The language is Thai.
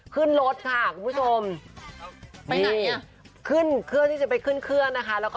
ขึ้นรถค่ะคุณผู้ชม